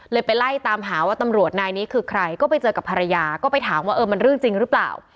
ไปไล่ตามหาว่าตำรวจนายนี้คือใครก็ไปเจอกับภรรยาก็ไปถามว่าเออมันเรื่องจริงหรือเปล่า